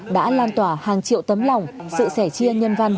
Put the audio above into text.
đã lan tỏa hàng triệu tấm lòng sự sẻ chia nhân văn